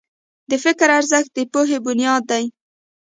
د فکر ارزښت د پوهې بنیاد دی.